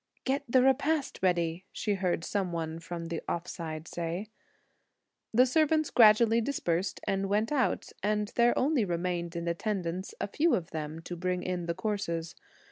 "Get the repast ready!" she heard some one from the offside say. The servants gradually dispersed and went out; and there only remained in attendance a few of them to bring in the courses.